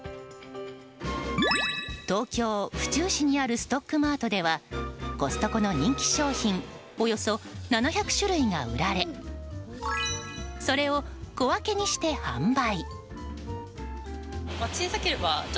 東京・府中市にあるストックマートではコストコの人気商品およそ７００種類が売られそれを小分けにして販売。